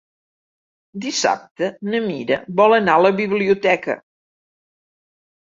Dissabte na Mira vol anar a la biblioteca.